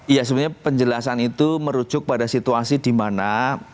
ya sebenarnya penjelasan itu merujuk pada situasi di mana